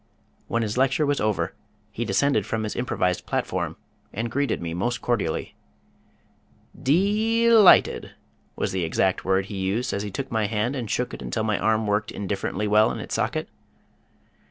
When his lecture was over he descended from his improvised platform and greeted me most cordially. "Deeee lighted!" was the exact word he used as he took my hand and shook it until my arm worked indifferently well in its socket.